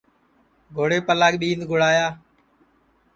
گھوڑیپلا ٻِیند گُڑایا